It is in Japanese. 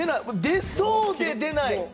出そうで出ない。